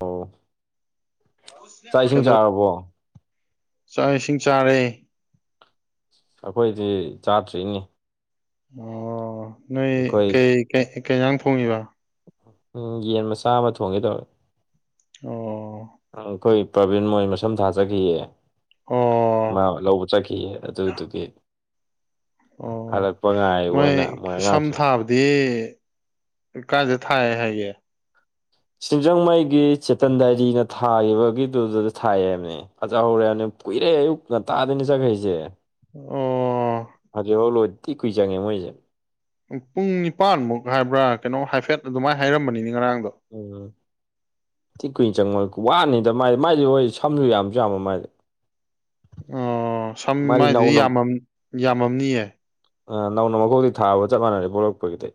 ꯑꯣ ꯆꯥꯛ ꯏꯁꯤꯡ ꯀꯩꯗꯧ ꯆꯥꯔꯕꯣ ꯆꯥꯛ ꯏꯁꯤꯡ ꯆꯥꯔꯦ ꯑꯩꯈꯣꯏꯗꯤ ꯆꯥꯇ꯭ꯔꯤꯅꯤ ꯑꯣ ꯅꯣꯏ ꯑꯩꯈꯣꯏ ꯀꯩ ꯀꯩ ꯀꯩ ꯏꯟꯁꯥꯡ ꯊꯣꯡꯉꯤꯕ ꯎꯝ ꯌꯦꯟ ꯃꯆꯥ ꯑꯃ ꯊꯣꯡꯒꯦ ꯇꯧꯔꯝ ꯑꯣ ꯑꯥ ꯑꯩꯈꯣꯏ ꯄ꯭ꯔꯕꯤꯟ ꯃꯣꯏ ꯃꯁꯝ ꯊꯥ ꯆꯠꯈꯤꯌꯦ ꯑꯣ ꯃꯥ ꯂꯧꯕ ꯆꯠꯈꯤꯌꯦ ꯑꯗꯨꯗꯨꯒꯤ ꯑꯣ ꯍꯜꯂꯛꯄ ꯉꯥꯏꯕ ꯃꯣꯏ ꯑꯣꯏꯅ ꯁꯝ ꯑꯉꯥꯡꯁꯤꯡ ꯊꯥꯕꯗꯤ ꯀꯥꯏꯗ ꯊꯥꯏ ꯍꯥꯏꯒ‌ꯦ ꯁꯤꯡꯖꯉꯩꯒꯤ ꯆꯦꯇꯟꯗꯥꯏꯔꯤꯅ ꯊꯥꯈꯤꯕꯒꯤꯗꯨꯗꯨꯗ ꯊꯥꯏ ꯍꯥꯏꯕꯅꯦ ꯐꯖꯍꯧꯔ‌ꯦ ꯍꯥꯏꯝꯅ‌ꯦ ꯀꯨꯏꯔꯦ ꯑꯌꯨꯛ ꯉꯥꯟꯇꯥꯗꯩꯅꯤ ꯆꯠꯈ꯭ꯔꯤꯁꯦ ꯑꯣ ꯐꯖꯤꯐꯥꯎ ꯂꯣꯏꯗꯤ ꯊꯤ ꯀꯨꯏ ꯆꯪꯉꯦ ꯃꯣꯏꯁꯦ ꯄꯨꯡ ꯅꯤꯄꯥꯟꯃꯨꯛ ꯍꯥꯏꯕ꯭ꯔꯥ ꯀꯩꯅꯣ ꯍꯥꯏꯐꯦꯠ ꯑꯗꯨꯃꯥꯏꯅ ꯍꯥꯏꯔꯝꯕꯅꯤꯅ‌ꯦ ꯉꯔꯥꯡꯗꯣ ꯑꯣ ꯊꯤꯀꯨꯏ ꯆꯪꯉꯤ ꯋꯥꯅꯤꯗ ꯃꯥꯏ ꯃꯥꯏꯗ‌ꯣ ꯍꯣꯏ ꯁꯝꯁꯨ ꯌꯥꯝꯁꯨ ꯌꯥꯝꯕ ꯃꯥꯏ ꯑꯣ ꯁꯝ ꯃꯥꯗꯤ ꯃꯥꯏꯗꯨꯗꯤ ꯅꯧꯅ ꯌꯥꯝꯃꯝ ꯌꯥꯝꯃꯝꯅꯤꯌꯦ ꯑ ꯅꯧꯅ ꯃꯀ‌ꯣꯛꯗꯩ ꯊꯥꯕ ꯆꯞ ꯃꯥꯟꯅꯔꯦ ꯄ‌ꯣꯔꯛꯄꯒꯤꯗꯩ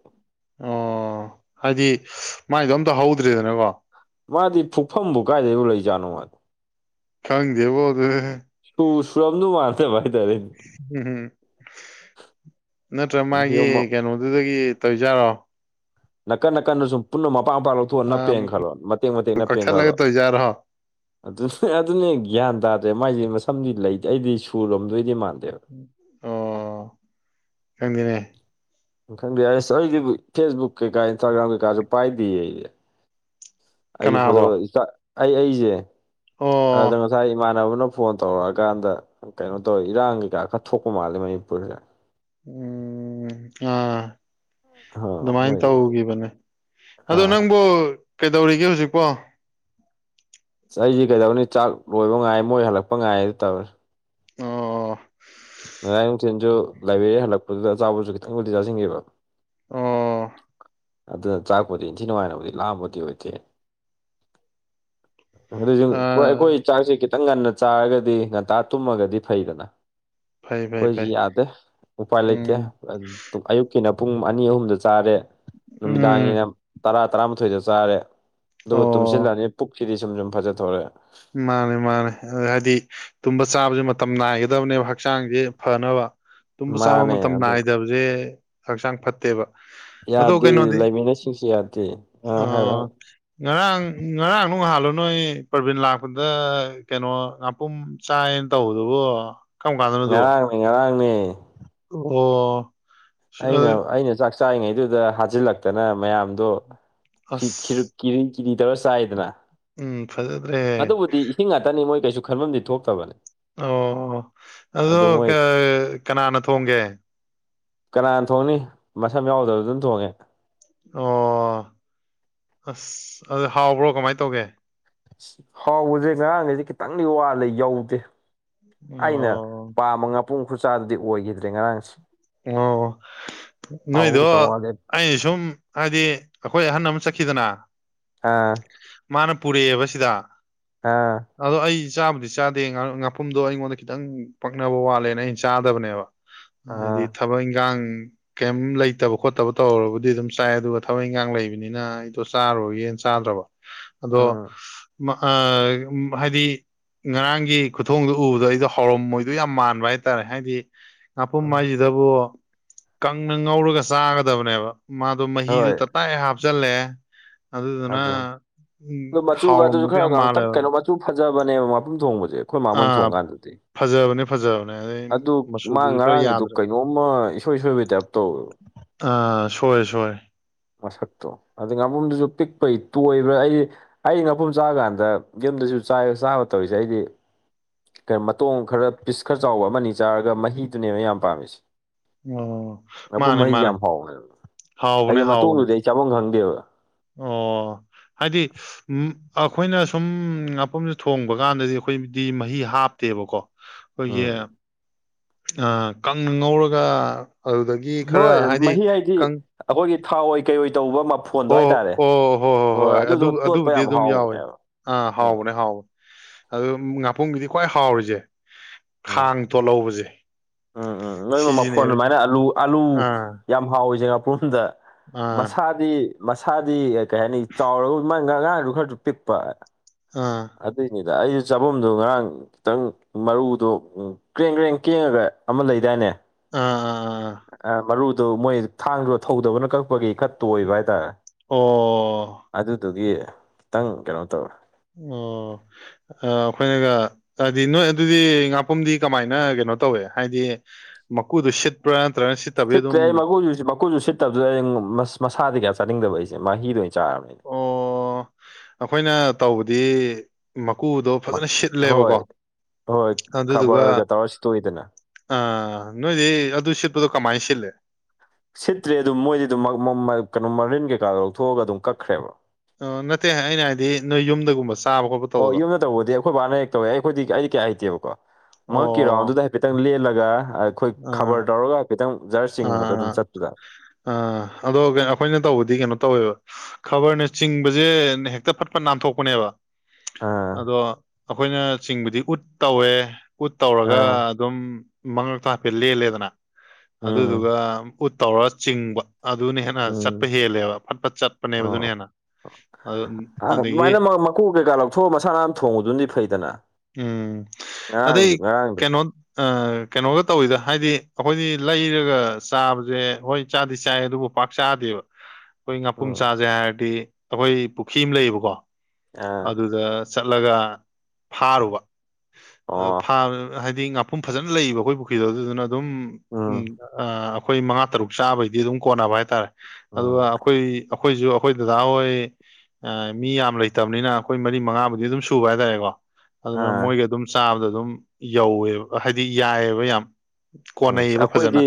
ꯑꯣ ꯍꯥꯏꯗꯤ ꯃꯥꯏꯗꯣ ꯑꯝꯇ ꯍꯧꯗ꯭ꯔꯦꯗꯅꯀꯣ ꯃꯥꯗꯤ ꯐꯨꯛꯐꯝꯕꯨ ꯀꯥꯏꯗꯩꯕꯨ ꯂꯩꯖꯥꯠꯅꯣ ꯃꯥ ꯈꯪꯗꯦꯕꯣ ꯑꯗꯨꯅ‌ꯦ ꯇꯨꯁꯨꯔꯝꯗꯨ [unintelligible] ꯍꯥꯏꯇꯥꯔ‌ꯦ [unintelligible] [unintelligible] ꯅꯠꯇ꯭ꯔ ꯃꯥꯒꯤ ꯌꯦꯡꯉꯣ ꯀꯩꯅꯣꯗꯨꯗꯒꯤ ꯇꯧꯏꯖꯥꯠꯔꯣ ꯅꯥꯀꯟ ꯅꯥꯀꯟꯗ ꯁꯨꯝ ꯄꯨꯟꯅ ꯃꯄꯥ ꯃꯄꯥ ꯂꯧꯊꯣꯛꯑꯒ ꯅꯞꯄꯦꯟ ꯈꯜꯂꯣ ꯃꯇꯦꯛ ꯃꯇꯦꯛ ꯅꯞꯄꯦꯟ ꯀꯛꯊꯠꯂꯒ ꯈꯜꯂꯣ ꯇꯧꯖꯥꯔꯣ ꯑꯗꯨ ꯑꯗꯨꯅꯦ ꯒ꯭ꯌꯥꯟ ꯇꯥꯗ꯭ꯔꯦ ꯃꯥꯏꯁꯦ ꯃꯁꯝꯗꯤ ꯂꯩꯇ‌ꯦ ꯑꯩꯗꯤ ꯁꯨꯔꯣꯝꯗꯣꯏꯗꯤ ꯃꯥꯟꯗꯦꯕ ꯑꯣ ꯈꯪꯗ‌ꯦꯅꯦ ꯈꯟꯕꯤ ꯌꯥꯏ ꯑꯁ ꯑꯩꯗꯤ ꯐꯦꯁ ꯕꯨꯛ ꯀꯩꯀꯥ ꯏꯟꯁꯇꯥꯒ꯭ꯔꯥꯝ ꯀꯩꯀꯥꯁꯨ ꯄꯥꯏꯗꯦꯌꯦ ꯑꯩ ꯑꯩꯖꯦ ꯀꯅꯥꯕꯣ ꯐꯣꯇꯣꯗ ꯑꯩ ꯑꯩꯖꯦ ꯑꯗ ꯑꯣ ꯉꯁꯥꯏ ꯏꯃꯥꯟ ꯁꯥꯟꯅꯕꯅ ꯐꯣꯟ ꯇꯧꯔꯛꯑꯀꯥꯟꯗ ꯀꯩꯅꯣ ꯇꯧꯔꯦ ꯏꯔꯥꯡ ꯀꯩꯀꯥ ꯈꯔ ꯊꯣꯛꯄ ꯃꯥꯜꯂꯦ ꯃꯅꯤꯄꯨꯔꯗ ꯎꯝ ꯑꯥ ꯑ ꯃꯣꯏ ꯑꯗꯨꯃꯥꯏꯅ ꯇꯧꯒꯤꯕꯅꯦ ꯑꯗꯣ ꯑꯥ ꯅꯪꯕꯨ ꯀꯩꯗꯧꯔꯤꯒꯦ ꯍꯧꯖꯤꯛꯄꯣ ꯑꯩꯁ ꯀꯩꯗꯧꯅꯤ ꯆꯥꯛ ꯂꯣꯏꯕ ꯉꯥꯏ ꯃꯣꯏ ꯍꯜꯂꯛꯄ ꯉꯥꯏ ꯑꯗꯨ ꯇꯧꯋꯤ ꯑꯣ ꯉꯔꯥꯡ ꯅꯨꯡꯊꯤꯟꯁꯨ ꯂꯥꯏꯕ꯭ꯔꯦꯔꯤ ꯍꯜꯂꯛꯄꯗꯨꯗ ꯑꯆꯥꯄꯣꯠꯁꯨ ꯈꯤꯇꯪꯕꯨꯗꯤ ꯆꯥꯁꯤꯟꯈꯤꯕ ꯑꯣ ꯑꯗꯨꯅ ꯆꯥꯛꯄꯨꯗꯤ ꯏꯟꯊꯤ ꯅꯨꯡꯉꯥꯏꯅꯕꯨꯗꯤ ꯂꯥꯝꯕꯗꯤ ꯑꯣꯏꯗꯦ ꯑꯥ [unintelligible] ꯆꯥꯛꯁꯦ ꯈꯤꯇꯪ ꯉꯟꯅ ꯆꯥꯔꯒꯗꯤ ꯉꯟꯇꯥ ꯇꯨꯝꯃꯒꯗꯤ ꯐꯩꯗꯅ ꯐꯩ ꯐꯩ ꯑꯩꯈꯣꯏꯖꯤ ꯐꯩ ꯌꯥꯗꯦ ꯎꯄꯥꯏ ꯂꯩꯇꯦ ꯎꯝ ꯑꯌꯨꯛꯀꯤꯅ ꯄꯨꯡ ꯑꯅꯤ ꯑꯍꯨꯝꯗ ꯆꯥꯔꯦ ꯎꯝ ꯅꯨꯃꯤꯗꯥꯡꯒꯤꯅ ꯇꯔꯥ ꯇꯔꯥꯃꯥꯊꯣꯏꯗ ꯆꯥꯔꯦ ꯑꯗꯨꯒ ꯑꯣ ꯇꯨꯝꯁꯤꯜꯂꯅꯤꯅ ꯄꯨꯛꯁꯤꯗꯤ ꯁꯨꯝ ꯁꯨꯝ ꯐꯖꯊꯣꯔ‌ꯦ ꯃꯥꯅꯦ ꯃꯥꯅꯦ ꯍꯥꯏꯗꯤ ꯇꯨꯝꯕ ꯆꯥꯕꯁꯦ ꯃꯇꯝ ꯅꯥꯏꯒꯗꯕꯅꯦꯕ ꯍꯛꯆꯥꯡꯁꯦ ꯐꯅꯕ ꯇꯨꯝꯕ ꯆꯥꯕ ꯃꯥꯅꯦ ꯃꯇꯝ ꯑꯗꯨ ꯅꯥꯏꯗꯕ ꯖ‌ꯦ ꯍꯛꯆꯥꯡ ꯐꯠꯇꯦꯕ ꯑꯗꯣ ꯌꯥꯗꯦ ꯀꯩꯅꯣꯗꯤ ꯂꯩꯃꯤꯟꯅꯁꯤꯡꯁꯤ ꯌꯥꯗꯦ ꯑ ꯍꯥꯏꯔꯣ ꯑꯥ ꯉꯔꯥꯡ ꯉꯔꯥꯡ ꯉꯍꯥꯥꯜꯂꯣ ꯅꯣꯏ ꯄ꯭ꯔꯕꯤꯟ ꯂꯥꯛ ꯗ ꯀꯩꯅꯣ ꯉꯥꯄꯨꯝ ꯆꯥꯏꯌꯦꯅ ꯇꯧꯕꯗꯨꯕꯣ ꯉꯔꯥꯡꯅꯦ ꯉꯔꯥꯡꯅꯦ ꯑꯣ ꯑꯩꯅ ꯑ- ꯑꯩꯅ ꯆꯥꯛ ꯆꯥꯔꯤꯉꯩꯗꯨꯗ ꯍꯥꯖꯤꯜꯂꯛꯇꯅ ꯃꯌꯥꯝꯗꯣ ꯈꯤ ꯀꯤꯔꯤ ꯑꯁ ꯀꯤꯔꯤ ꯇꯧꯔ ꯆꯥꯏꯗꯅ ꯎꯝ ꯐꯖꯗ꯭ꯔꯦꯍꯦ ꯑꯗꯨꯕꯨꯗꯤ ꯏꯁꯤꯡ ꯉꯥꯛꯇꯅꯤ ꯃꯣꯏ ꯀꯩꯁꯨ ꯈꯟꯕꯝꯗꯤ ꯊꯣꯛꯇꯕ ꯑꯣ ꯑꯗꯣ ꯀꯅꯥꯅ ꯊꯣꯡꯒꯦ ꯀꯅꯥꯅ ꯊꯣꯡꯅꯤ ꯃꯁꯝ ꯌꯥꯎꯗꯕꯗꯨꯅ ꯊꯣꯡꯉꯦ ꯑꯣ ꯑꯁ ꯑꯗꯨ ꯍꯥꯎꯕ꯭ꯔꯣ ꯀꯃꯥꯏꯅ ꯇꯧꯒꯦ ꯍꯥꯎꯕꯖꯦ ꯉꯔꯥꯡꯒꯤꯖꯦ ꯈꯤꯇꯪꯗꯤ ꯋꯥꯠꯂꯦ ꯌꯧꯗꯦ ꯑꯩꯅ ꯑꯣ ꯄꯥꯝꯕ ꯉꯥꯄꯨꯝ ꯈꯨꯆꯥꯗꯨꯗꯤ ꯑꯣꯏꯒꯤꯗ꯭ꯔꯦ ꯉꯔꯥꯡꯁꯦ ꯑꯣ ꯍꯥꯎꯕ ꯅꯣꯏꯗꯣ ꯈꯤꯇꯪ ꯋꯥꯠꯂꯦ ꯑꯩꯅ ꯁꯨꯝ ꯍꯥꯏꯗꯤ ꯑꯩꯈꯣꯏ ꯑꯍꯟ ꯑꯃ ꯆꯠꯈꯤꯗꯅ ꯑꯥ ꯃꯥꯅ ꯄꯨꯔꯛꯑꯦꯕ ꯁꯤꯗ ꯑꯥ ꯑꯗꯣ ꯑꯩ ꯆꯥꯕꯨꯗꯤ ꯆꯥꯗꯦ ꯉꯥꯄꯨꯝꯗꯣ ꯑꯩꯉꯣꯟꯗ ꯈꯤꯇꯪ ꯄꯛꯅꯕ ꯋꯥꯠꯂꯦꯅ ꯑꯩꯅ ꯆꯥꯗꯕꯅꯦꯕ ꯍꯥꯏꯗꯤ ꯑꯥ ꯊꯕꯛ ꯏꯪꯒꯥꯡ ꯀꯩꯝ ꯂꯩꯇꯕ ꯈꯣꯠꯇꯕ ꯇꯧꯔꯕꯨꯗꯤ ꯑꯗꯨꯝ ꯆꯥꯏ ꯑꯗꯨꯒ ꯊꯕꯛ ꯏꯪꯈꯥꯡ ꯂꯩꯕꯅꯤꯅ ꯑꯩꯗꯣ ꯆꯥꯔꯔꯣꯏꯒꯦꯅ ꯆꯥꯗ꯭ꯔꯕ ꯑꯗꯣ ꯎꯝ ꯑ ꯍꯥꯏꯗꯤ ꯉꯔꯥꯡꯒꯤ ꯈꯨꯊꯣꯡꯗꯣ ꯎꯕꯗꯣ ꯑꯩꯗꯣ ꯍꯥꯎꯔꯝꯃꯣꯏꯗꯣꯏ ꯌꯥꯝ ꯃꯥꯟꯕ ꯍꯥꯏꯇꯥꯔꯦ ꯍꯥꯏꯗꯤ ꯉꯄꯨꯝ ꯎꯝ ꯍꯥꯏꯁꯤꯗꯕꯨ ꯀꯪꯅ ꯉꯧꯔꯒ ꯆꯥꯒꯗꯕꯅꯦꯕ ꯃꯥꯗꯣ ꯃꯍꯤꯗꯨ ꯍꯣꯏ ꯇꯞ ꯇꯥꯏ ꯍꯥꯞꯆꯜꯂꯦ ꯑꯗꯨꯗꯨꯅ ꯑꯗꯨ ꯑꯗꯣ ꯎꯝ ꯍꯥꯎꯔꯝꯃꯣꯏꯗꯣꯏ ꯌꯥꯝ ꯃꯥꯜꯂꯦꯕ ꯁꯨ ꯐꯖꯕꯅꯦꯕ ꯉꯥꯄꯨꯝ ꯊꯣꯡꯕꯁꯦ ꯑꯩꯈꯣꯏ ꯃꯥꯝ ꯍꯣꯏ ꯑꯥ ꯊꯣꯡ ꯀꯥꯟꯗꯗꯤ ꯐꯖꯕꯅꯦ ꯐꯖꯕꯅꯦ ꯑꯗꯩ ꯑꯗꯨ ꯃꯥ ꯃꯆꯨꯗꯨꯁꯨ ꯈꯔ ꯉꯔꯥꯡꯒꯤꯗꯨ ꯌꯥꯗ꯭ꯔꯦ ꯀꯩꯅꯣꯝꯃ ꯏꯁꯣꯏ ꯁꯣꯏꯕꯩ ꯇꯥꯏꯞ ꯇꯧꯋꯦꯕ ꯑꯥ ꯁꯣꯏ ꯁꯣꯏ ꯃꯁꯛꯇꯣ ꯑꯗꯨꯗꯩ ꯉꯥꯄꯨꯝꯗꯨꯁꯨ ꯄꯤꯛꯄꯩ ꯇꯣꯏꯕ꯭ꯔ ꯑꯩ ꯑꯩ ꯉꯥꯄꯨꯝ ꯆꯥ ꯀꯥꯟꯗ ꯌꯨꯝꯗꯁꯨ ꯆꯥꯏ ꯆꯥꯕ ꯇꯧꯔꯤꯁꯦ ꯑꯩꯗꯤ ꯀꯩ ꯃꯇꯣꯡ ꯈꯔ ꯄꯤꯁ ꯈꯔ ꯆꯥꯎꯕ ꯑꯃꯅꯤ ꯆꯥꯔꯒ ꯃꯍꯤꯗꯨꯅꯦꯕ ꯑꯩ ꯌꯥꯝ ꯄꯥꯝꯃꯤꯁꯦ ꯑꯣ ꯉꯥꯄꯨꯝ ꯃꯥꯅꯦ ꯃꯍꯤ ꯃꯥꯅꯦ ꯌꯥꯝ ꯍꯥꯎꯕꯅꯦꯕ ꯍꯥꯎꯕꯅꯦ ꯍꯥꯏꯗꯤ ꯍꯥꯎꯕꯅꯦ ꯃꯇꯣꯡꯗꯨꯗꯤ ꯑꯩ ꯆꯥꯕꯝ ꯈꯪꯗꯦꯕ ꯑꯣ ꯍꯥꯏꯗꯤ ꯎ ꯑꯩꯈꯣꯏꯅ ꯁꯨꯝ ꯉꯥꯄꯨꯝꯁꯦ ꯊꯣꯡꯕ ꯀꯥꯟꯗꯗꯤ ꯑꯩꯈꯣꯏꯗꯤ ꯃꯍꯤ ꯍꯥꯞꯇꯦꯕꯀꯣ ꯑꯩꯈꯣꯏꯒꯤ ꯎꯝ ꯀꯪ ꯉꯧꯔꯒ ꯑꯗꯨꯗꯒꯤ ꯒꯤ ꯈꯔ ꯍꯣꯏ ꯍꯥꯏꯗꯤ ꯃꯍꯤ ꯑꯩꯈꯣꯏꯒꯤ ꯊꯥꯎ ꯑꯣꯏꯏ ꯀꯩꯑꯣ ꯑꯣꯏ ꯇꯧꯕ ꯃꯐꯣꯟꯗꯣ ꯍꯣꯏ ꯍꯥꯏꯇꯥꯔꯦ ꯑꯣ ꯑꯣ ꯍꯣꯏ ꯍꯣꯏ ꯍꯣꯏ ꯍꯣꯏ ꯑꯗꯨ ꯑꯗꯨꯗꯣ ꯇꯣꯠꯄ ꯑꯗꯨꯕꯨꯗꯤ ꯌꯥꯝ ꯑꯗꯨꯝ ꯌꯥꯎꯋꯦ ꯍꯥꯎꯕꯅꯦꯕ ꯑꯥ ꯎꯝ ꯍꯥꯎꯕꯅꯦ ꯍꯥꯎꯋ ꯑꯗꯨ ꯉꯥꯄꯔꯨꯝꯒꯤꯗꯤ ꯈ꯭ꯋꯥꯏ ꯍꯥꯎꯔꯤꯖꯦ ꯎꯝ ꯈꯥꯡ ꯇꯣꯠꯍꯧꯕꯁꯦ ꯎꯝ ꯎꯝ ꯅꯣꯏ ꯃꯐꯣꯟ ꯁꯤꯁꯤꯅꯦꯕ ꯑꯗꯨꯃꯥꯏꯅ ꯑꯥꯂꯨ ꯑꯥꯂꯨ ꯑꯥ ꯌꯥꯝ ꯍꯥꯎꯔꯤꯁꯦ ꯉꯥꯄ꯭ꯔꯨꯝꯗ ꯑꯥ ꯃꯁꯥ ꯗꯤ ꯃꯁꯥꯗꯤ ꯀꯩ ꯍꯥꯏꯅꯤ ꯆꯥꯎꯔꯒ ꯃꯥꯏ ꯉꯔꯥꯡꯗꯨ ꯈꯔꯁꯨ ꯄꯤꯛꯄ ꯑ ꯑꯗꯨꯏꯅꯤꯗ ꯑꯩꯁꯨ ꯆꯥꯕꯝꯗꯣ ꯉꯔꯥꯡ ꯈꯤꯇꯪ ꯃꯔꯨꯗꯣ ꯀ꯭ꯔꯦꯡ ꯀ꯭ꯔꯦꯡ ꯀꯦꯡꯉꯒ ꯑꯃ ꯂꯩꯗꯥꯏꯅꯦ ꯑꯥ ꯑ ꯑ ꯑ ꯃꯔꯨꯗꯨ ꯃꯣꯏ ꯊꯥꯡꯗꯣ ꯊꯧꯗꯕꯅ ꯀꯛꯄꯒꯤ ꯈꯔ ꯇꯣꯏꯕ ꯍꯥꯏꯇꯥꯔꯦ ꯑꯣ ꯑꯗꯨꯗꯨꯒꯤ ꯈꯤꯇꯪ ꯀꯩꯅꯣ ꯇꯧꯔꯦ ꯑꯣ ꯑ ꯑꯩꯈꯣꯏꯅꯒ ꯍꯥꯏꯗꯤ ꯅꯣꯏ ꯑꯗꯨꯗꯤ ꯉꯥꯄꯨꯝꯗꯤ ꯀꯃꯥꯏꯅ ꯀꯩꯅꯣ ꯇꯧꯋꯦ ꯍꯥꯏꯗꯤ ꯃꯀꯨꯗꯨ ꯎꯁꯠ ꯄ꯭ꯔ ꯅꯠꯇꯔꯒ ꯁꯤꯠꯇ꯭ꯔꯦ ꯑꯩ ꯃꯀꯨꯁꯨꯨ ꯃꯀꯨꯁꯨ ꯁꯤꯠꯇꯕꯗꯨꯗ ꯑꯩ ꯃꯁꯥꯗꯤ ꯀꯌꯥ ꯆꯥꯅꯤꯡꯗꯕ ꯑꯩꯁꯦ ꯃꯍꯤꯗ ꯑꯣꯏꯅ ꯆꯥꯔꯕꯅꯤ ꯑꯣ ꯑꯩꯈꯣꯏꯅ ꯇꯧꯕꯗꯤ ꯃꯀꯨꯗꯣ ꯐꯖꯅ ꯍꯣꯏ ꯁꯤꯠꯂꯦꯕꯀꯣ ꯍꯣꯏ ꯑꯗꯨꯗꯨꯒ ꯈꯕꯔꯒ ꯇꯧꯔ ꯁꯤꯠꯇꯣꯛꯏꯗꯅ ꯑ ꯅꯣꯏꯗꯤ ꯑꯗꯨ ꯁꯤꯠꯄꯗꯨ ꯀꯃꯥꯏ ꯁꯤꯠꯂꯤ꯫ ꯁꯤꯠꯇ꯭ꯔꯦ ꯑꯗꯨ ꯃꯣꯏꯗꯤ ꯑꯗꯨꯝ ꯃ ꯃ ꯃ ꯀꯩꯅꯣ ꯃꯔꯤꯟ ꯀꯩꯀꯥꯗꯣ ꯂꯧꯊꯣꯛꯑꯒ ꯑꯗꯨꯝ ꯀꯛꯈ꯭ꯔꯦꯕ꯫ ꯑꯣ ꯅꯠꯇꯦ ꯑꯩꯅ ꯍꯥꯏꯗꯤ ꯅꯣꯏ ꯌꯨꯝꯗꯒꯨꯝꯕ ꯆꯥꯕ ꯈꯣꯠꯄ ꯑꯣ ꯇꯧꯕꯗꯣ ꯌꯨꯝꯗ ꯇꯧꯕꯗꯤ ꯑꯩꯈꯣꯏ ꯕꯥꯅ ꯍꯦꯛ ꯇꯧꯋꯦ ꯑꯩꯈꯣꯏꯗꯤ ꯑꯩꯗꯤ ꯀꯌꯥ ꯍꯩꯇꯦꯕꯀꯣ ꯃꯉꯛꯀꯤ ꯑꯣ ꯔꯥꯎꯟꯗꯨꯗ ꯈꯤꯇꯪ ꯂꯦꯜꯂꯒ ꯑꯩꯈꯣꯏ ꯑꯥ ꯈꯕꯔ ꯑꯥ ꯇꯧꯔꯒ ꯍꯥꯏ ꯈꯤꯠꯇꯪ ꯖꯥꯔ ꯆꯤꯡꯕꯗ ꯑꯗꯨꯝ ꯆꯠꯄꯗ ꯑ ꯑꯗꯣ ꯑꯩꯈꯣꯏꯅ ꯇꯧꯕꯗꯤ ꯀꯩꯅꯣ ꯇꯧꯋꯦꯕ ꯈꯕꯔꯅ ꯆꯤꯡꯕꯖꯦ ꯍꯦꯛꯇ ꯐꯠ ꯐꯠ ꯅꯥꯟꯊꯣꯛꯄꯅꯦꯕ꯫ ꯑꯥ ꯑꯗꯣ ꯑꯩꯈꯣꯏꯅ ꯆꯤꯡꯕꯗꯤ ꯎꯠ ꯇꯧꯋꯦ ꯎꯠ ꯇꯧꯔꯒ ꯑꯥ ꯑꯗꯨꯝ ꯃꯉꯛꯇ ꯍꯥꯏꯐꯦꯠ ꯂꯦꯜꯂꯦꯗꯅ ꯑꯗꯨꯗꯨꯒ ꯎꯝ ꯎꯠ ꯇꯧꯔꯒ ꯆꯤꯡꯕ ꯑꯗꯨꯗꯨꯅ ꯍꯦꯟꯅ ꯆꯠꯄ ꯎꯝ ꯍꯦꯜꯂꯦꯕ ꯐꯠ ꯐꯠ ꯆꯠꯄꯅꯦꯕ ꯑꯗꯨꯅ ꯍꯦꯟꯅ ꯑꯗꯨ- ꯑꯪ ꯑꯗꯒꯤ ꯑꯗꯨꯃꯥꯏꯅ ꯃꯀꯣꯛ ꯀꯩꯀꯥ ꯂꯧꯊꯣꯛꯑ ꯃꯁꯥ ꯅꯥ ꯊꯣꯡꯉꯨꯗꯨꯗꯤ ꯐꯩꯗꯅ ꯎꯝ ꯉꯔꯥꯡꯗꯨ ꯑꯗꯩ ꯉꯔꯥꯡꯗꯣ ꯀꯩꯅꯣ ꯑ ꯀꯩꯅꯣꯒ ꯇꯧꯋꯤꯗ ꯍꯥꯏꯗꯤ ꯑꯩꯈꯣꯏꯅꯤ ꯂꯩꯔꯒ ꯆꯥꯕꯁꯦ ꯍꯣꯏ ꯆꯥꯗꯤ ꯆꯥꯏ ꯑꯗꯨꯕꯨ ꯄꯥꯛ ꯆꯥꯗꯦꯕ [inaudible] ꯑꯩꯈꯣꯏ ꯉꯥꯄꯨꯝ ꯆꯥꯖꯦ ꯍꯥꯏꯔꯗꯤ ꯑꯩꯈꯣꯏ ꯄꯨꯈꯤ ꯑꯃ ꯂꯩꯌꯦꯕꯀꯣ ꯑꯥ ꯑꯗꯨꯗ ꯆꯠꯂꯒ ꯐꯥꯔꯨꯕ ꯑꯣ ꯍꯥꯏꯗꯤ ꯁꯨꯝ ꯐꯖꯅ ꯂꯩꯌꯦꯕ ꯑꯩꯈꯣꯏ ꯄꯨꯈ꯭ꯔꯤꯗꯣ ꯑꯗꯨꯗꯨꯅ ꯑꯗꯨꯝ ꯎꯝ꯫ ꯑꯥ ꯑꯩꯈꯣꯏ ꯃꯉꯥ ꯇꯔꯨꯛ ꯆꯥꯕꯩꯗꯤ ꯑꯗꯨꯝ ꯀꯣꯟꯅꯕ ꯍꯥꯏꯇꯥꯔꯦ ꯑꯗꯨꯒ ꯎꯝ ꯑꯩꯈꯣꯏ ꯑꯩꯈꯣꯏꯖꯨ ꯑꯩꯈꯣꯏ ꯗꯗꯥ ꯍꯣꯏ ꯃꯤ ꯌꯥꯝ ꯂꯩꯇꯕꯅꯤꯅ ꯑꯩꯈꯣꯏ ꯃꯔꯤ ꯃꯉꯥꯕꯨꯗꯤ ꯑꯗꯨꯝ ꯁꯨꯕ ꯍꯥꯏꯇꯥꯔꯦꯀꯣ ꯑꯗꯨꯅ ꯑꯥ ꯃꯣꯏꯒ ꯑꯗꯨꯝ ꯆꯥꯕꯗ ꯑꯗꯨꯝ ꯌꯧꯋꯦꯕ ꯍꯥꯏꯗꯤ ꯌꯥꯏꯑꯕ ꯌꯥꯝ ꯑ ꯀꯣꯟꯅꯩꯌꯦꯕ ꯐꯖꯅ ꯑꯩꯈꯣꯏꯗꯤ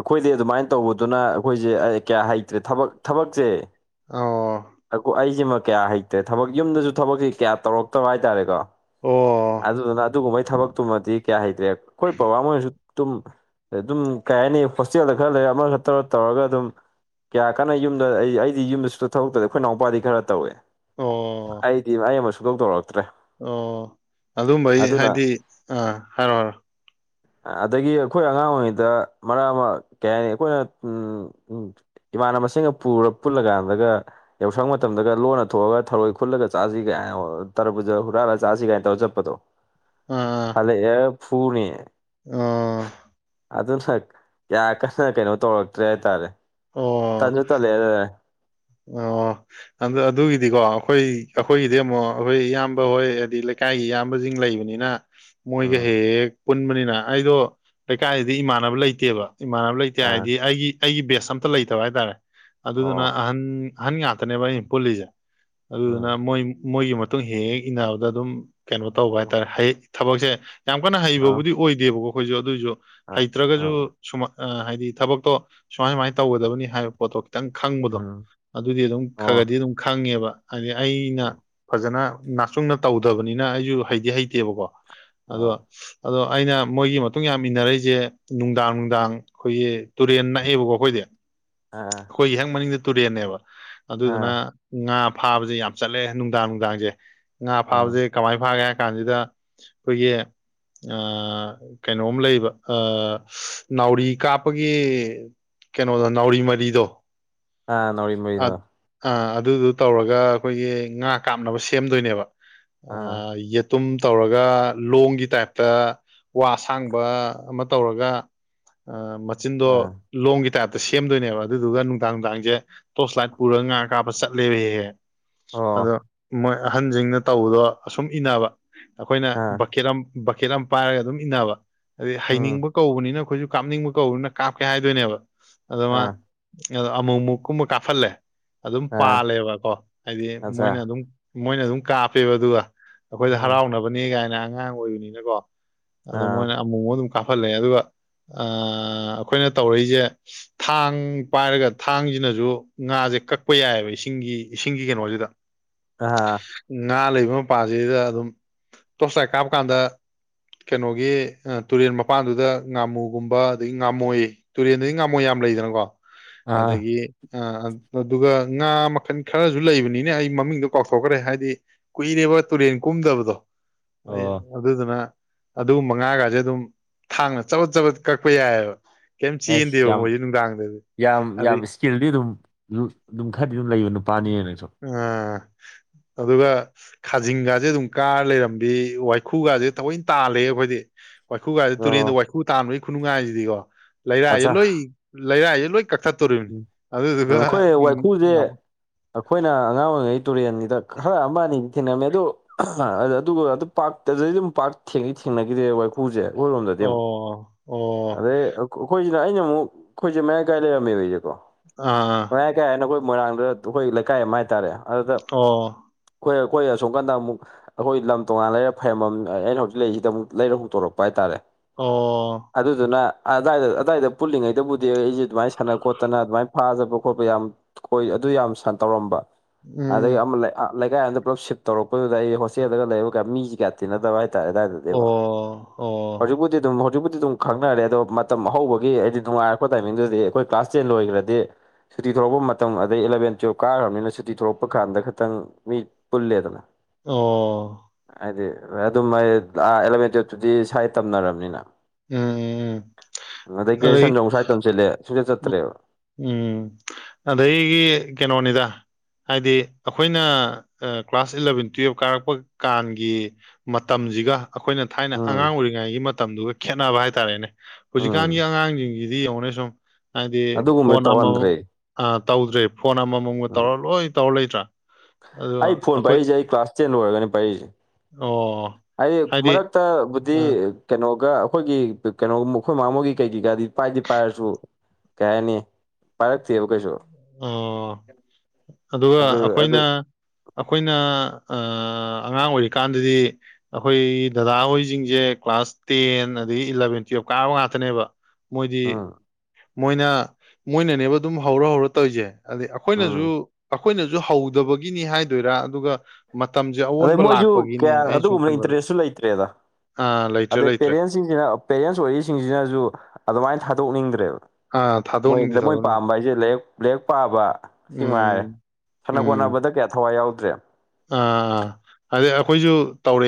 ꯑꯩꯈꯣꯏꯗꯤ ꯑꯗꯨꯃꯥꯏꯅ ꯇꯧꯕꯗꯨꯅ ꯑꯩꯈꯣꯏꯁꯦ ꯀꯌꯥ ꯍꯩꯇ꯭ꯔꯦ ꯊꯕꯛ ꯊꯕꯛꯁꯦ ꯑ [unintelligible] ꯑꯩꯖꯤꯃ ꯀꯌꯥ ꯍꯩꯇꯔꯦ ꯊꯕꯛ ꯌꯨꯝꯗꯖꯨ ꯊꯕꯛꯖꯦ ꯀꯌꯥ ꯇꯧꯔꯛꯇꯕ ꯍꯥꯏꯇꯥꯔꯦꯀꯣ꯫ ꯑꯣ ꯑꯗꯨꯗꯨꯅ ꯑꯗꯨꯒꯨꯝꯕꯩ ꯊꯕꯛꯇꯨꯃꯗꯤ ꯀꯌꯥ ꯍꯩꯇꯔꯦ ꯑꯩꯈꯣꯏ ꯄꯥꯄꯥ ꯃꯣꯏꯅꯖꯨ ꯇꯨꯝ ꯑꯗꯨꯝ ꯀꯩ ꯍꯥꯏꯅꯤ ꯍꯣꯁꯇꯦꯜꯗ ꯈꯔ ꯂꯩꯔ ꯑꯃ ꯇꯧꯔ ꯇꯧꯔꯒ ꯑꯗꯨꯝ ꯀꯌꯥ ꯀꯟꯅ ꯌꯨꯝꯗ ꯑꯩ ꯑꯩꯗꯤ ꯌꯨꯝꯗꯁꯨ ꯊꯔꯛꯇ꯭ꯔ ꯑꯩꯈꯣꯏꯅꯥꯎꯄꯥꯗꯤ ꯈꯔ ꯇꯧꯏ ꯑꯣ ꯑꯩꯗꯤ ꯑꯩ ꯑꯃ ꯁꯨꯡ ꯇꯧ ꯇꯧꯔꯛꯇ꯭ꯔꯦ ꯑꯣ ꯑꯗꯨꯝꯕꯩ ꯑꯗꯨꯅ ꯍꯥꯏꯗꯤ ꯑꯥ ꯍꯥꯏꯔꯣ ꯍꯥꯏꯔꯣ [inaudible] ꯑꯗꯒꯤ ꯑꯩꯈꯣꯏ ꯑꯉꯥꯡ ꯑꯣꯏꯔꯤꯉꯩꯗ ꯃꯔꯛ ꯑꯃ ꯀꯩ ꯍꯥꯏ ꯑꯩꯈꯣꯏꯅ ꯎꯝ ꯎꯝ ꯏꯃꯥꯟꯅꯕꯁꯤꯡꯒ ꯄꯨꯔ ꯄꯨꯜꯂꯀꯥꯟꯗꯒ ꯌꯥꯎꯁꯪ ꯃꯇꯝꯗꯒ ꯂꯣꯟꯅ ꯊꯣꯛꯑꯒ ꯊꯔꯣꯏ ꯈꯨꯠꯂꯒ ꯆꯥꯁꯤ ꯀꯒꯥꯏ ꯇꯔꯕꯨꯖꯥ ꯍꯨꯔꯥꯜꯂꯒ ꯆꯥꯁꯤ ꯀꯥꯏꯅ ꯇꯧꯔ ꯆꯠꯄꯗꯣ ꯑꯥ ꯍꯜꯂꯛꯑꯦ ꯐꯨꯅꯤ꯫ ꯑꯣ ꯑꯗꯨꯅ ꯀꯌꯥ ꯀꯟꯅ ꯀꯩꯅꯣ ꯇꯧꯔꯛꯇ꯭ꯔꯦ ꯍꯥꯏꯇꯥꯔꯦ꯫ ꯑꯣ꯫ ꯇꯟꯖꯨ ꯇꯠꯂꯦ ꯑꯗꯨꯗ ꯑꯩ ꯑꯣ ꯑꯗꯨꯒꯤꯗꯤꯀꯣ ꯑꯩꯈꯣꯏ ꯑꯩꯈꯣꯏꯒꯤꯗꯤ ꯑꯃꯨꯛ ꯑꯩꯈꯣꯏ ꯏꯌꯥꯝꯕ ꯍꯣꯏ ꯍꯥꯏꯗꯤ ꯂꯩꯀꯥꯏꯒꯤ ꯏꯌꯥꯝꯕꯁꯤꯡ ꯂꯩꯕꯅꯤꯅ ꯃꯣꯏꯒ ꯎꯝ ꯍꯦꯛ ꯍꯦꯛ ꯄꯨꯟꯕꯅꯤꯅ ꯑꯩꯗꯣ ꯂꯩꯀꯥꯏꯗꯗꯤ ꯏꯃꯥꯟꯅꯕ ꯂꯩꯇꯦꯕ ꯏꯃꯥꯟꯅꯕ ꯂꯩ ꯀꯌꯥ ꯑꯥ ꯍꯥꯏꯗꯤ ꯑꯩꯒꯤ ꯑꯩꯒꯤ ꯕꯦꯁ ꯑꯝꯇ ꯂꯩꯇꯕ ꯍꯥꯏꯇꯥꯔꯦ ꯑꯗꯨꯗꯨꯅ ꯑꯣ ꯑꯟ ꯑꯍꯟ ꯉꯥꯛꯇꯅꯦꯕ ꯑꯩꯅ ꯄꯨꯜꯂꯤꯖꯦ ꯑꯗꯨꯗꯨꯅ ꯎꯝ ꯃꯣꯏ ꯃꯣꯏꯒꯤ ꯑꯗꯨ ꯍꯦꯛ ꯍꯦꯛ ꯏꯟꯅꯕꯗ ꯑꯗꯨꯝ ꯀꯩꯅꯣ ꯇꯧꯕ ꯍꯥꯏꯇꯥꯔꯦ ꯍꯩ ꯊꯕꯛꯁꯦ ꯌꯥꯝ ꯀꯟꯅ ꯑꯣ ꯍꯩꯕꯕꯨꯗꯤ ꯑꯣꯏꯗꯦꯕꯀꯣ ꯑꯩꯈꯣꯏꯁꯨ ꯑꯗꯨꯑꯣꯏꯁꯨ ꯑ ꯑ ꯍꯩꯇ꯭ꯔꯒꯁꯨ ꯑ ꯁꯨꯃ ꯍꯥꯏꯗꯤ ꯊꯕꯛꯇꯣ ꯁꯨꯃꯥꯏ ꯁꯨꯃꯥꯏꯅ ꯇꯧꯒꯗꯕꯅꯤ ꯍꯥꯏꯕ ꯄꯣꯠꯇꯣ ꯈꯤꯇꯪ ꯈꯪꯕꯗꯣ ꯎꯝ ꯑꯗꯨꯗꯤ ꯑꯗꯨꯝ ꯈꯔ ꯑꯣ ꯈꯔꯗꯤ ꯑꯗꯨꯝ ꯈꯪꯉꯦꯕ ꯍꯥꯏꯗꯤ ꯑꯩꯅ ꯐꯖꯅ ꯅꯥꯛꯆꯨꯡꯅ ꯇꯧꯗꯕꯅꯤꯅ ꯑꯩꯁꯨ ꯍꯩꯗꯤ ꯍꯩꯇꯦꯕꯀꯣ ꯑꯗꯣ ꯑꯣ ꯑꯗꯣ ꯑꯩꯅ ꯃꯣꯏꯒꯤ ꯃꯇꯨꯡ ꯌꯥꯝ ꯏꯟꯅꯔꯛꯏꯁꯦ ꯅꯨꯡꯗꯥꯡ ꯅꯨꯡꯗꯥꯡ ꯑꯩꯈꯣꯏꯒꯤ ꯇꯨꯔꯦꯟ ꯅꯛꯏꯦꯕꯀꯣ ꯑꯩꯈꯣꯏꯗꯤ ꯑꯥ ꯑꯩꯈꯣꯏ ꯍ‌ꯦꯛ ꯃꯅꯤꯡꯗ ꯇꯨꯔꯦꯜꯅꯦꯕ ꯑ ꯑꯗꯨꯗꯨꯅ ꯉꯥ ꯐꯥꯕꯁꯦ ꯌꯥꯝ ꯆꯠꯂꯦ ꯅꯨꯡꯗꯥꯡ ꯅꯨꯡꯗꯥꯡꯁꯦ ꯉꯥ ꯎꯝ ꯐꯥꯕꯁꯦ ꯀꯃꯥꯏꯅ ꯐꯥꯒꯦ ꯍꯥꯏ ꯀꯥꯟꯁꯤꯗ ꯑꯩꯈꯣꯏꯒꯤ ꯑꯥ ꯀꯩꯅꯣꯝ ꯂꯩ ꯑꯥ ꯅꯥꯎꯔꯤ ꯀꯥꯞꯄꯒꯤ ꯀꯩꯅꯣꯗ ꯅꯥꯎꯔꯤ ꯃꯔꯤꯗꯣ ꯑ ꯅꯥꯎꯔꯤ ꯃꯔꯤꯗꯣ꯫ ꯑ ꯑꯗꯨꯗꯨ ꯇꯧꯔꯒ ꯑꯩꯈꯣꯏꯒꯤ ꯉꯥ ꯀꯥꯞꯅꯕ ꯁꯦꯝꯗꯣꯏꯅꯦꯕ ꯑ ꯌꯦꯟ ꯇꯝ ꯇꯧꯔꯒ ꯂꯣꯡꯒꯤ ꯇꯥꯏꯞꯇ ꯋꯥꯁꯥꯡꯕ ꯑꯃ ꯇꯧꯔꯒ ꯑꯥ ꯃꯆꯤꯟꯗꯣ ꯂꯣꯡꯒꯤ ꯇꯥꯏꯞꯇ ꯁꯦꯝꯗꯣꯏꯅꯦꯕ ꯑꯗꯨꯗꯨꯒ ꯅꯨꯡꯗꯥꯡ ꯅꯨꯡꯗꯥꯡꯁꯦ ꯇꯣꯔꯁ ꯂꯥꯏꯠ ꯄꯨꯔꯒ ꯉꯥ ꯀꯥꯞꯕ ꯆꯠꯂꯦꯕ ꯍꯦꯛ ꯍꯦꯛ ꯑꯣ ꯑꯗꯣ ꯃꯣꯏ ꯑꯍꯟꯁꯤꯡꯅ ꯇꯧꯕꯗꯣ ꯑꯁꯨꯝ ꯏꯟꯅꯕ ꯑꯩꯈꯣꯏꯅ ꯑ ꯕꯛꯀꯦꯠ ꯕꯛꯀꯦꯠ ꯑꯃ ꯄꯥꯏꯔꯒ ꯑꯗꯨꯝ ꯏꯟꯅꯕ ꯑꯗꯩ ꯎꯝ ꯍꯩꯅꯤꯡꯕ ꯀꯧꯕꯅꯤꯅ ꯑꯩꯈꯣꯏꯁꯨ ꯀꯥꯞꯅꯤꯡꯕ ꯀꯧꯕꯧꯅꯤꯅ ꯀꯥꯞꯀꯦ ꯍꯥꯏꯗꯣꯏꯅꯦꯕ ꯑꯗꯨ ꯃꯥ ꯑ ꯑꯃꯨꯛ ꯑꯃꯨꯛꯀꯨꯝꯕ ꯀꯥꯞꯍꯜꯂꯦ ꯑꯗꯨꯝ ꯑ ꯄꯥꯜꯂꯦꯕꯀꯣ ꯍꯥꯏꯗꯤ ꯑꯆꯥ ꯃꯣꯏꯅ ꯑꯗꯨꯝ ꯃꯣꯏꯅ ꯑꯗꯨꯝ ꯀꯥꯞꯄꯦꯕ ꯑꯗꯨꯒ ꯑꯩꯈꯣꯏꯗ ꯎꯝ ꯍꯔꯥꯎꯅꯕꯅꯦ ꯀꯥꯏꯅ ꯑꯉꯥꯡ ꯑꯣꯏꯕꯅꯤꯅꯀꯣ ꯑꯗꯨ ꯑ ꯃꯣꯏꯅ ꯑꯃꯨꯛ ꯑꯃꯨꯛ ꯑꯃꯨꯛ ꯀꯥꯞꯍꯜꯂꯦ ꯑꯗꯨꯒ ꯑꯥ ꯑꯩꯈꯣꯏꯅ ꯇꯧꯔꯛꯏꯁꯦ ꯊꯥꯡ ꯄꯥꯏꯔꯒ ꯊꯥꯡꯁꯤꯅꯁꯨ ꯉꯥꯁꯦ ꯀꯛꯄ ꯌꯥꯏꯑꯕ ꯏꯁꯤꯡꯒꯤ ꯏꯁꯤꯡꯒꯤ ꯀꯩꯅꯣꯁꯤꯗ ꯑꯥ ꯉꯥ ꯂꯩꯕ ꯃꯄꯥꯥꯟꯁꯤꯗ ꯑꯗꯨꯝ ꯇꯣꯠꯁꯂꯥꯠ ꯀꯥꯞꯀꯥꯟꯗ ꯀꯩꯅꯣꯒꯤ ꯇꯨꯔꯦꯜ ꯃꯄꯥꯟꯗꯨꯗ ꯉꯥꯃꯨꯒꯨꯝꯕ ꯑꯗꯒꯤ ꯉꯥꯃꯣꯏ ꯇꯨꯔꯦꯟꯗꯗꯤ ꯉꯥꯝꯃꯣꯏ ꯌꯥꯝ ꯂꯩꯗꯅꯀꯣ ꯑ ꯑꯗꯒꯤ ꯑ ꯑꯗꯨꯒ ꯉꯥ ꯃꯈꯜ ꯈꯔꯁꯨ ꯂꯩꯕꯅꯤꯅꯦ ꯑꯩ ꯃꯃꯤꯡꯗꯣ ꯀꯥꯎꯊꯣꯛꯈ꯭ꯔꯦ ꯍꯥꯏꯗꯤ ꯀꯨꯏꯔꯦꯕ ꯇꯨꯔꯦꯟ ꯀꯨꯝꯗꯕꯗꯣ ꯑꯩ ꯑꯣ ꯑꯗꯨꯗꯨꯅ ꯑꯗꯨꯒꯨꯝꯕ ꯃꯉꯥꯒꯥꯖꯦ ꯑꯗꯨꯝ ꯊꯥꯡꯅ ꯆꯕꯠ ꯆꯕꯠ ꯀꯛꯄ ꯌꯥꯏꯑꯕ꯫ ꯀꯦꯝ ꯑꯩꯁ ꯆꯦꯟꯗꯦꯕ ꯌꯥꯝ ꯃꯣꯏꯖꯦ ꯅꯨꯡꯗꯥꯡꯗꯗꯤ꯫ ꯌꯥꯝ ꯑꯗꯩ ꯌꯥꯝ ꯏꯁꯀꯤꯜꯗꯤ ꯑꯗꯨꯝ ꯑꯗꯨꯝ ꯈꯔꯗꯤ ꯑꯗꯨꯝ ꯂꯩꯕ ꯅꯨ ꯑ ꯑꯗꯨꯒ ꯈꯥꯖꯤꯡꯒꯥꯁꯦ ꯑꯗꯨꯝ ꯀꯥꯔ ꯂꯩꯔꯝꯕꯤ ꯋꯥꯏꯈꯨꯒꯥꯁꯦ ꯊꯑꯣꯏꯅ ꯇꯥꯜꯂꯦ ꯑꯩꯈꯣꯏꯗꯤ ꯋꯥꯏꯈꯨ ꯒꯥꯖꯦ ꯇꯨꯔꯦꯟꯗ ꯑꯣ ꯋꯥꯏꯈꯨ ꯇꯥꯟꯕꯒꯤ ꯈꯨꯅꯨꯡꯉꯥꯏꯖꯤꯗꯤꯀꯣ ꯂꯩꯔꯥꯏꯖꯦ ꯑꯠꯆꯥ ꯂꯣꯏ ꯂꯩꯔꯥꯏꯖꯦ ꯂꯣꯏ ꯀꯛꯊꯠꯇꯣꯔꯤꯃꯤ ꯎꯝ ꯎꯝ, ꯑꯗꯨꯗꯨꯒ ꯑꯩꯈꯣꯏ ꯋꯥꯏꯈꯨꯁꯦ ꯎꯝ [unintelligible] ꯑꯩꯈꯣꯏꯅ ꯑꯉꯥꯡ ꯑꯣꯏꯔꯤꯉꯩ ꯇꯨꯔꯦꯟꯒꯤꯗ ꯈꯔ ꯑꯃ ꯑꯅꯤꯗꯤ ꯊꯦꯡꯅꯝꯃꯦ ꯑꯗꯨ ꯑꯗꯨꯒ ꯑꯗꯨ ꯄꯥꯛ ꯑꯗꯨꯗꯩ ꯑꯗꯨꯝ ꯄꯥꯛ ꯊꯦꯡꯗꯤ ꯊꯦꯡꯅꯒꯤꯗꯔꯦ ꯋꯥꯏ ꯄꯨꯁꯦ ꯑꯩꯈꯣꯏꯔꯣꯝꯗꯗꯤ ꯑꯣ ꯑꯃꯨꯛ ꯑꯣ ꯑꯗꯩ ꯑꯩꯈꯣꯏꯁꯤꯅ ꯑꯩꯅ ꯑꯃꯨꯛ ꯑꯩꯈꯣꯏꯁꯦ ꯃꯌꯥꯏ ꯀꯥꯏ ꯂꯩ [unintelligible] ꯑ ꯑ ꯃꯌꯥꯏ ꯀꯥꯏ ꯍꯥꯏꯗꫭ ꯑꯩꯈꯣꯏ ꯃꯣꯏꯔꯥꯡꯗ ꯑꯩꯈꯣꯏ ꯂꯩꯀꯥꯏ ꯑꯃ ꯍꯥꯏꯇꯥꯔꯦ ꯑꯗꯨꯗ ꯑꯣ ꯑꯈꫭꯏ ꯑꯩꯈꯣꯏ ꯑꯁꯣꯝꯅꯥꯀꯟꯗ ꯑꯃꯨꯛ ꯑꯩꯈꯣꯏ ꯂꯝ ꯇꯣꯉꯥꯟꯅ ꯂꯩꯔ ꯐꯩꯔꯝꯃꯝ ꯑꯩꯅ ꯍꯧꯖꯤꯛ ꯂꯩꯔꯤꯁꯤꯗ ꯑꯃꯨꯛ ꯂꯩꯔ ꯄꯨꯊꯣꯔꯛꯄ ꯍꯥꯏꯇꯥꯔꯦ꯫ ꯑꯣ ꯑꯗꯨꯗꯨꯅ ꯑꯗꯥꯏꯗ ꯑꯗꯥꯏꯗ ꯄꯨꯜꯂꯤꯉꯩꯗꯕꯨꯗꯤ ꯑꯩꯖꯦ ꯑꯗꯨꯃꯥꯏ ꯁꯅ ꯈꯣꯠꯇꯅ ꯑꯗꯨꯃꯥꯏꯅ ꯐꯥ ꯆꯠꯄ ꯈꯣꯠꯄ ꯌꯥꯝ ꯈꯣꯏ ꯑꯗꯨ ꯌꯥꯝ ꯇꯧꯔꯝꯕ ꯑꯗꯒꯤ ꯎꯝ ꯑꯃ ꯂꯩ ꯂꯩꯀꯥꯏ ꯑꯃꯗ ꯄꯨꯂꯞ ꯁꯤꯞ ꯇꯧꯔꯛꯄꯗꯨꯗ ꯑꯩꯖꯦ ꯍꯣꯁꯇꯦꯗꯒ ꯂꯩꯕꯒ ꯃꯤꯖꯤ ꯀꯌꯥ ꯇꯤꯟꯅꯗꯕ ꯍꯥꯏꯇꯥꯔꯦ ꯑꯗꯥꯏꯗ ꯗ ꯑꯣ ꯋꯥ ꯑꯣ ꯍꯧꯖꯤꯛꯄꯨꯗꯤ ꯑꯗꯨꯝ ꯍꯧꯖꯤꯛꯄꯨꯗꯤ ꯑꯗꯨꯝ ꯈꯪꯅꯔꯂꯦꯗꯣ ꯃꯇꯝ ꯑ ꯍꯧꯕꯒꯤ ꯍꯥꯏꯗꯤ ꯅꯨꯡꯉꯥꯏꯔꯛꯄ ꯇꯥꯏꯃꯤꯡꯗꯨꯗꯤ ꯑꯩꯈꯣꯏ ꯀ꯭ꯂꯥꯁ ꯇꯦꯟ ꯂꯣꯏꯈ꯭ꯔꯗꯤ ꯁꯨꯇꯤ ꯊꯣꯛꯂꯛꯄ ꯃꯇꯝ ꯑꯗꯩ ꯏꯂꯕꯦꯟ ꯇꯨꯌꯦꯜꯞ ꯀꯥꯈ꯭ꯔꯕꯅꯤꯅ ꯁꯨꯇꯤ ꯊꯂꯛꯄ ꯀꯥꯟꯗ ꯈꯤꯇꯪ ꯃꯤ ꯄꯨꯜꯂꯦꯗꯣ ꯑꯣ ꯍꯥꯏꯗꯤ ꯑꯗꯨꯝ ꯑꯩ ꯑꯦꯂꯃꯦꯟ ꯇꯨꯋꯞꯇꯨꯗꯤ ꯁꯋꯥꯥꯏꯗ ꯇꯝꯅꯔꯕꯅꯤꯅ ꯎꯝ ꯎꯝ ꯎꯝ ꯑꯗꯩ ꯒ꯭ꯔꯦꯖꯨꯁꯟ ꯃꯨꯛ ꯁ꯭ꯋꯥꯏ ꯇꯝꯁꯤꯜꯂꯦ ꯁꯨꯡꯆꯠ ꯆꯠꯇ꯭ꯔꯦꯕ ꯎꯝ ꯑꯗꯥꯒꯤ ꯀꯩꯅꯣꯅꯤꯗ ꯍꯥꯏꯗꯤ ꯑꯩꯈꯣꯏꯅ ꯀ꯭ꯂꯥꯁ ꯏꯂꯕꯦꯟ ꯇꯨꯌꯦꯜꯞ ꯀꯥꯔꯛꯄ ꯀꯥꯟꯒꯤ ꯃꯇꯝꯁꯤꯒ ꯑꯩꯈꯣꯏꯅ ꯊꯥꯏꯅ ꯎꯝ ꯑꯉꯥꯡ ꯑꯣꯏꯔꯤꯉꯩꯒꯤ ꯃꯇꯝꯗꯨꯒ ꯈꯦꯠꯅꯕ ꯍꯥꯏꯇꯥꯔꯦꯅꯦ ꯎꯝ ꯍꯧꯖꯤꯛꯀꯥꯟꯒꯤ ꯑꯉꯥꯡꯁꯤꯡꯁꯤ ꯗꯤ ꯌꯦꯡꯉꯅꯦ ꯁꯨꯝ ꯍꯥꯏꯗꯤ ꯑꯗꯨꯒꯨꯝꯕꯗꯤ ꯐꯣꯟ ꯑꯃꯃꯃꯨꯛ ꯇꯧꯍꯟꯗ꯭ꯔꯦ ꯑꯥ ꯇꯧꯗ꯭ꯔꯦ ꯐꯣꯟ ꯑꯃꯃꯝ ꯎꯝ ꯇꯧꯔ ꯂꯣꯏ ꯇꯧꯔ ꯂꯩꯇ꯭ꯔꯥ ꯑꯗꯨꯒ ꯑꯩ ꯐꯣꯟ ꯑꯩꯈꯣꯏ ꯄꯥꯏꯔꯛꯏꯁꯦ ꯑꯩ ꯀ꯭ꯂꯥꯁ ꯇꯦꯟ ꯑꯣꯏꯔꯒꯅꯦ ꯄꯥꯏꯔꯛꯏꯁꯦ ꯑꯣ ꯑꯩ ꯍꯥꯏꯗꯤ ꯃꯔꯛꯇꯕꯨꯗꯤ ꯑ ꯀꯩꯅꯣꯒ ꯑꯩꯈꯣꯏꯒꯤ ꯀꯩꯅꯣꯒ ꯑꯩꯈꯣꯏ ꯃꯥꯡ ꯃꯣꯏꯒꯤ ꯀꯩ ꯀꯩꯀꯥꯗꯤ ꯄꯥꯏꯗꯤ ꯄꯥꯏꯔꯁꯨ ꯀꯩ ꯍꯥꯏꯅꯤ ꯄꯥꯏꯔꯛꯇꯦꯕ ꯀꯩꯁꯨ ꯑꯣ ꯑꯗꯨꯒ ꯑꯗꯨ ꯑꯗꯨ ꯑꯩꯈꯣꯏꯅ ꯑꯩꯈꯣꯏꯅ ꯑꯉꯥꯡ ꯑꯣꯏꯔꯤꯀꯥꯟꯗꯗꯤ ꯑꯩꯈꯣꯏ ꯗꯗꯥ ꯍꯣꯏꯁꯤꯡꯁꯦ ꯀ꯭ꯂꯥꯁ ꯇꯦꯟ ꯑꯗꯒꯤ ꯏꯂꯚꯦꯟ ꯇꯨꯋꯦꯜꯞ ꯀꯥꯕ ꯉꯥꯛꯇꯅꯦꯕ ꯃꯣꯏꯗꯤ ꯎꯝ ꯃꯣꯏꯅ ꯃꯣꯏꯅꯅꯦꯕ ꯑꯗꯨꯝ ꯍꯧꯔ ꯍꯧꯔ ꯇꯧꯔꯤꯁꯦ ꯑꯗꯩ ꯎꯝ ꯑꯩꯈꯣꯏꯅꯁꯨ ꯑꯩꯈꯣꯏꯅꯁꯨ ꯍꯧꯗꯕꯒꯤꯅꯦ ꯍꯥꯏꯗꯣꯏꯔꯥ ꯑꯗꯨꯒ ꯃꯇꯝꯁꯦ ꯑꯗꯩ ꯑꯑꯣꯟꯕ ꯃꯣꯏꯁꯨ ꯂꯥꯛꯄꯒꯤꯅꯤ ꯀꯌꯥ ꯑꯩꯅ ꯁꯨꯝ ꯑꯗꯨꯒꯨꯝꯕꯅ ꯈꯟꯕꯗꯣ ꯏꯟꯇꯔꯦꯁꯁꯨ ꯑ ꯂꯩꯇ꯭ꯔꯦ ꯂꯩꯇ꯭ꯔꯦ ꯁꯤꯡꯁꯤꯅ ꯄꯦꯔꯦꯟꯁ ꯑꯣꯏꯔꯤꯁꯤꯡꯁꯤꯅꯁꯨ ꯑꯗꯨꯃꯥꯏꯅ ꯊꯥꯗꯣꯛꯅꯤꯡꯗ꯭ꯔꯦꯕ ꯑꯥ ꯃꯣꯏ ꯊꯥꯗꯣꯛꯅꯤꯡꯗꯦ ꯃꯣꯏ ꯊꯥꯗꯣꯛꯅꯤꯡꯗꯦ ꯄꯥꯝꯕ ꯍꯥꯏꯁꯦ ꯂꯥꯏꯔꯤꯛ ꯂꯥꯏꯔꯤꯛ ꯄꯥꯕ ꯁꯤꯃꯥꯉꯥꯏꯔꯦ ꯎꯝ ꯁꯥꯟꯅ ꯎꯝ ꯈꯣꯠꯅꯕꯗ ꯀꯌꯥ ꯊꯋꯥꯏ ꯌꯥꯎꯗ꯭ꯔꯦ ꯑꯥ ꯑꯥ ꯍꯥꯏꯕꯗꯤ ꯑꯩꯈꯣꯏꯁꯨ ꯇꯧꯔꯤ